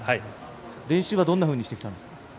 練習はどんなふうにしてきたんですか？